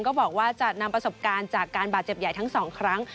ก็บอกว่าจะนำประสบการณ์จากการบาดเจ็บใหญ่ทั้งสองครั้ง